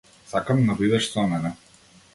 Сакам да бидеш со мене.